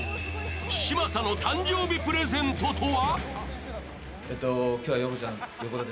嶋佐の誕生日プレゼントとは？